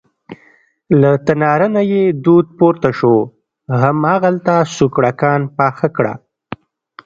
له تناره نه یې دود پورته شو، هماغلته سوکړکان پاخه کړه.